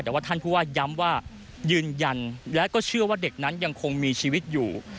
แต่ว่าท่านผู้ว่าย้ำว่ายืนยันและก็เชื่อว่าเด็กนั้นยังคงมีชีวิตอยู่